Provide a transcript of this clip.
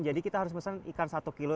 jadi kita harus pesan ikan satu kilo